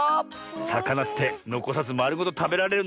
さかなってのこさずまるごとたべられるんですね。